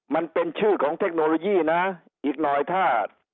มันเป็นชื่อของเทคโนโลยีนะอีกหน่อยถ้า